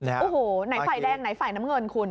โอ้โหไหนฝ่ายแดงไหนฝ่ายน้ำเงินคุณ